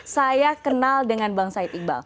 saya kenal dengan bang said iqbal